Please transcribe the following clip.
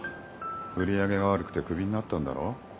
売り上げが悪くてクビになったんだろ？